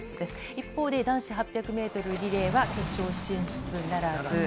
一方で、男子８００メートルリレーは、決勝進出ならず。